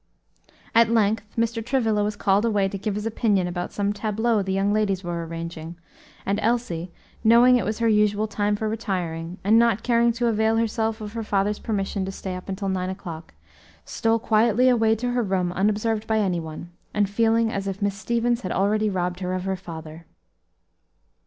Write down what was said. At length Mr. Travilla was called away to give his opinion about some tableaux the young ladies were arranging; and Elsie, knowing it was her usual time for retiring, and not caring to avail herself of her father's permission to stay up until nine o'clock, stole quietly away to her room unobserved by any one, and feeling as if Miss Stevens had already robbed her of her father.